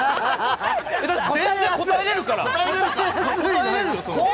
全然答えられるか。